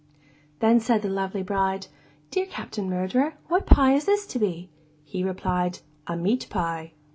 Then said the lovely bride, 'Dear Captain Murderer, what pie is this to be?' He replied, 'A meat pie.